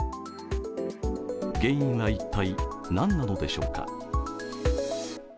原因は一体何なのでしょうか。